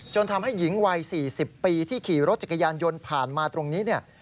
ทำให้หญิงวัย๔๐ปีที่ขี่รถจักรยานยนต์ผ่านมาตรงนี้เนี่ย